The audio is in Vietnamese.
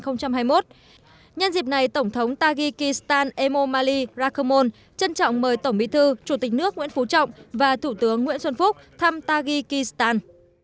nhân dịp này tổng thống tajikistan emomali rakhomon trân trọng mời tổng bí thư chủ tịch nước nguyễn phú trọng và thủ tướng nguyễn xuân phúc thăm taghi kistan